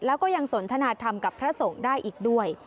แล้วก็ยังสนทนาธรรมกับพระสงฆ์ได้อีกด้วย